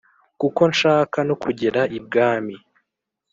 kuko nshaka nokugera ibwami"